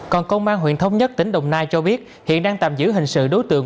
còn công an huyện thống nhất tỉnh đồng nai cho biết hiện đang tạm giữ hình sự đối tượng